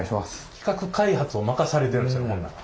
企画開発を任されてるんですねほんなら。